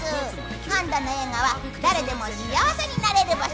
今度の映画は誰でも幸せになれる場所